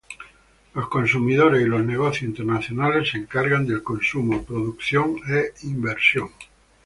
Los consumidores y los negocios internacionales se encargan del consumo, producción e inversión.